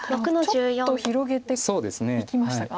ちょっと広げていきましたか？